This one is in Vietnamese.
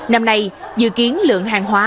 năm nay dự kiến lượng hàng hóa